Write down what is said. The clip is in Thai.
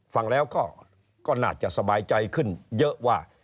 ฟังแล้วก็น่าจะสบายใจขึ้นเยอะว่า